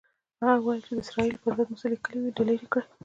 هغه ویل که د اسرائیلو پر ضد مو څه لیکلي وي، ډیلیټ یې کړئ.